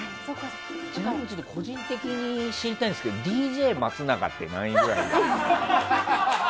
ちなみに個人的に知りたいんですけどＤＪ松永って何位くらいですか？